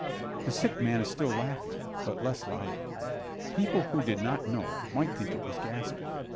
The Sick Man is still laughing, but less loudly. People who did not know might think it was gasping.